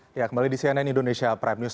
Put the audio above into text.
ya kembali di cnn indonesia prime news